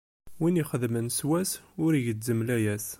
Win ixeddmen s wass, ur igezzem layas.